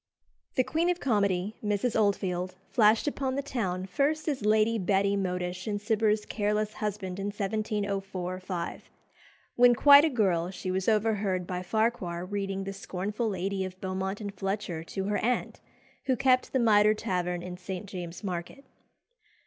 The queen of comedy, Mrs. Oldfield, flashed upon the town first as Lady Betty Modish in Cibber's "Careless Husband," in 1704 5. When quite a girl she was overheard by Farquhar reading "The Scornful Lady" of Beaumont and Fletcher to her aunt, who kept the Mitre Tavern in St. James's Market.